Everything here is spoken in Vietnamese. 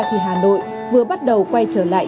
khi hà nội vừa bắt đầu quay trở lại